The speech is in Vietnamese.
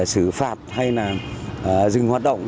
sử phạt hay dừng hoạt động